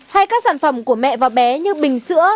hay các sản phẩm của mẹ và bé như bình sữa